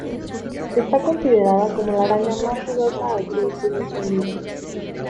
Está considerada como la araña más ruidosa al producir un zumbido.